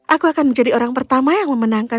aku akan menjadi orang pertama yang memenangkan